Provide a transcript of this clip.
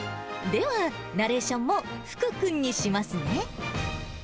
では、ナレーションも福君にしますね。